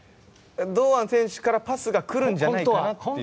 堂安選手からのパスが来るんじゃないかと。